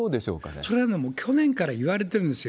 それも去年から言われているんですよ。